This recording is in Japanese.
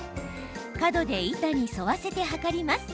角で板に沿わせて測ります。